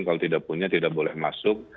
kalau tidak punya tidak boleh masuk